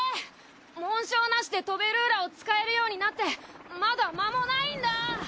紋章なしでトベルーラを使えるようになってまだ間もないんだ。